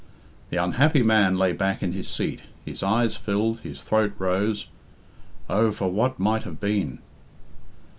The unhappy man lay back in his seat. His eyes filled, his throat rose. "Oh, for what might have been!"